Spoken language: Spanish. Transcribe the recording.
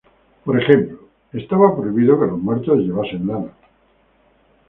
Por ejemplo, estaba prohibido que los muertos llevasen lana.